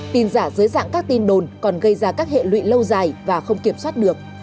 tin giả dưới dạng các tin đồn còn gây ra các hệ lụy lâu dài và không kiểm soát được